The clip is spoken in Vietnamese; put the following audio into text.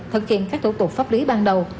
thực hiện các thủ tục pháp lý ban đầu